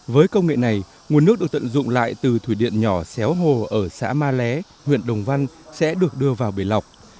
với công nghệ này nguồn nước được tận dụng lại từ thủy điện nhỏ xéo hồ ở xã ma lé huyện đồng văn sẽ được đưa vào bể lọc